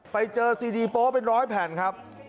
ไปเจอซีดีโป๊เป็นร้อยแผ่นครับ